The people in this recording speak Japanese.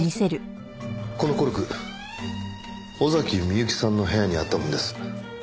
このコルク尾崎美由紀さんの部屋にあったものです。